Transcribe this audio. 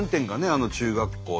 あの中学校の。